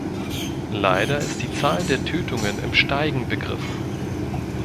Leider ist die Zahl der Tötungen im Steigen begriffen.